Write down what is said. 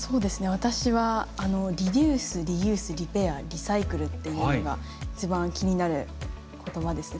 私は「リデュース・リユース・リペア・リサイクル」っていうのが一番気になる言葉ですね。